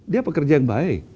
dia pekerja yang baik